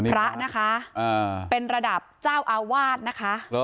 พระนะคะเป็นระดับเจ้าอาวาสนะคะ